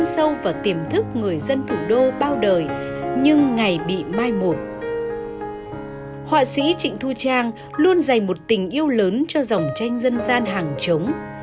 họa sĩ trịnh thu trang luôn dành một tình yêu lớn cho dòng tranh dân gian hàng chống